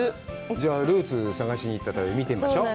じゃあルーツを探しに行った旅見てみましょう。